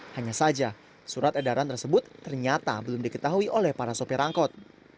hanya saja surat edaran tersebut ternyata belum diketahui oleh para sopir angkot